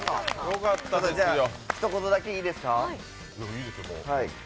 ひと言だけいいですか。